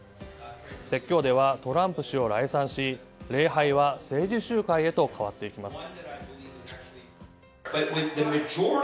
説教では、トランプ氏を礼賛し礼拝は政治集会へと変わっていきます。